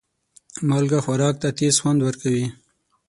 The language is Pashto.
مالګه خوراک ته تیز خوند ورکوي.